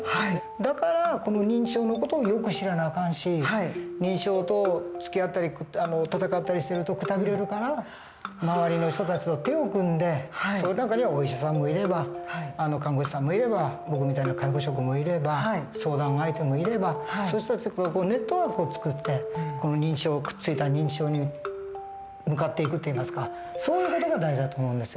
だからこの認知症の事をよく知らなあかんし認知症とつきあったり闘ったりしてるとくたびれるから周りの人たちと手を組んでその中にはお医者さんもいれば看護師さんもいれば僕みたいな介護職もいれば相談相手もいればそういう人たちとネットワークを作ってこのくっついた認知症に向かっていくといいますかそういう事が大事だと思うんですよ。